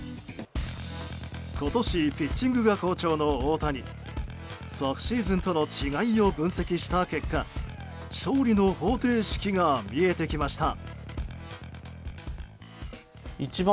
今年、ピッチングが好調の大谷。昨シーズンとの違いを分析した結果勝利の方程式が見えてきました。